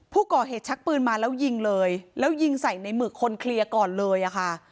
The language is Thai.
ผู้ก่อเหตุชักปืนมาแล้วยิงเลยแล้วยิงใส่ในหมึกคนเคลียร์ก่อนเลยอะค่ะ